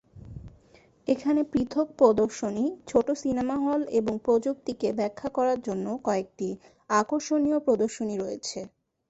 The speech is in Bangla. এখানে পৃথক প্রদর্শনী, ছোট সিনেমা হল এবং প্রযুক্তিকে ব্যাখ্যা করার জন্য কয়েকটি আকর্ষণীয় প্রদর্শনী রয়েছে।